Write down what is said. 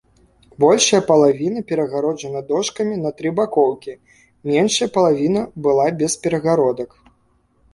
Большая палавіна перагароджана дошкамі на тры бакоўкі, меншая палавіна была без перагародак.